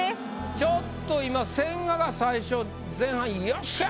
ちょっと今千賀が最初前半「よっしゃー！」